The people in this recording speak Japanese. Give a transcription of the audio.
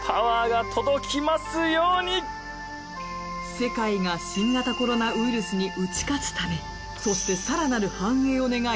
世界が新型コロナウイルスに打ち勝つためにそして更なる繁栄を願い